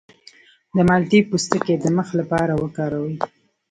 د مالټې پوستکی د مخ لپاره وکاروئ